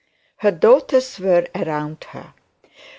Her daughters were around her.